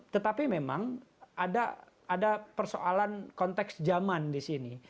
tetapi memang ada persoalan konteks zaman di sini